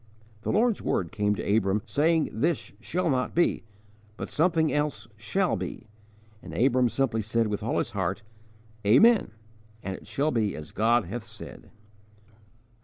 '_ The Lord's word came to Abram, saying this 'shall not be,' but something else 'shall be'; and Abram simply said with all his heart, 'Amen' 'it shall be as God hath said.'